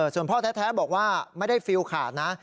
ส่วนพ่อแท้บอกว่าไม่ได้ฟิลขาดนะ